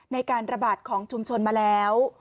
ในการระบาดของชุมชนมาแล้ว